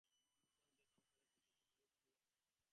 মহিমচন্দ্র এ সংসারে পশ্চাতে পড়িয়া থাকিবে না।